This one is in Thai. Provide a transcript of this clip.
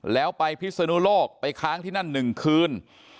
แล้วไปพิศนุโลกไปค้างที่นั่น๑คืน